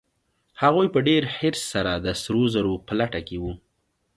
هغوی په ډېر حرص سره د سرو زرو په لټه کې وو.